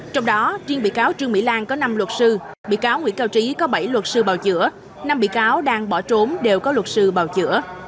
trong đó riêng bị cáo trương mỹ lan có năm luật sư bị cáo nguyễn cao trí có bảy luật sư bào chữa năm bị cáo đang bỏ trốn đều có luật sư bào chữa